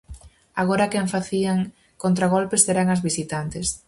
Agora quen facían contragolpes eran as visitantes.